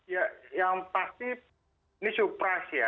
ya yang pasti ini surprise ya